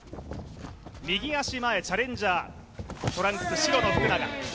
右足前、チャレンジャー、トランクス白の福永。